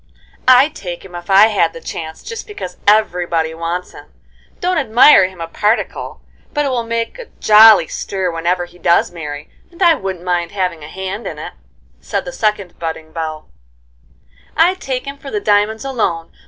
"I'd take him if I had the chance, just because everybody wants him. Don't admire him a particle, but it will make a jolly stir whenever he does marry, and I wouldn't mind having a hand in it," said the second budding belle. "I'd take him for the diamonds alone.